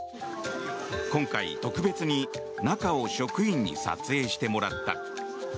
今回、特別に中を職員に撮影してもらった。